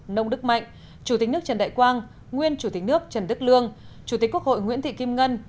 nông đức mạnh chủ tịch nước trần đại quang nguyên chủ tịch nước trần đức lương chủ tịch quốc hội nguyễn thị kim ngân